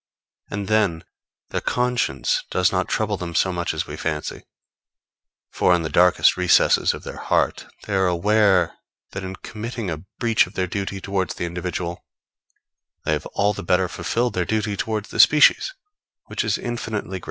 And then their conscience does not trouble them so much as we fancy; for in the darkest recesses of their heart, they are aware that in committing a breach of their duty towards the individual, they have all the better fulfilled their duty towards the species, which is infinitely greater.